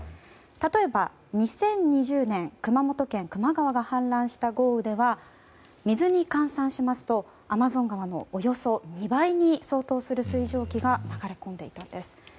例えば２０２０年熊本県球磨川が氾濫した豪雨では水に換算しますとアマゾン川のおよそ２倍に相当する水蒸気が流れ込んでいたんです。